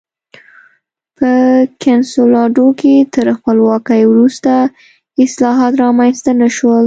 په کنسولاډو کې تر خپلواکۍ وروسته اصلاحات رامنځته نه شول.